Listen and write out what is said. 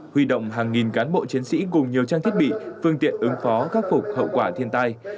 huy động hàng nghìn cán bộ chiến sĩ cùng nhiều trang thiết bị phương tiện ứng phó khắc phục hậu quả thiên tai